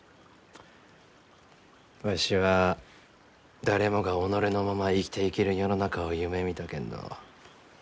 わしは誰もが己のまま生きていける世の中を夢みたけんど。